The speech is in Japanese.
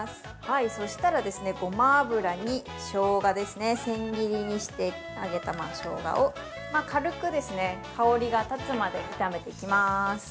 そしたら、ごま油にしょうが、千切りにしてあげたしょうがを軽く香りが立つまで炒めていきます。